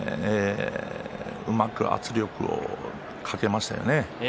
うまく圧力をかけましたよね。